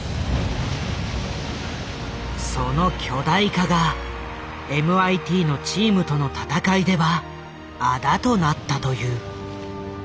その巨大化がＭＩＴのチームとの戦いではあだとなったという。